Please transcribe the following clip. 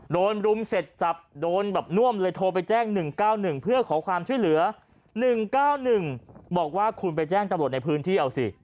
รุมเสร็จสับโดนแบบน่วมเลยโทรไปแจ้ง๑๙๑เพื่อขอความช่วยเหลือ๑๙๑บอกว่าคุณไปแจ้งตำรวจในพื้นที่เอาสิ